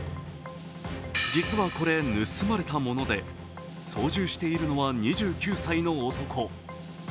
実はこれ、盗まれたもので操縦しているのは２９歳の男。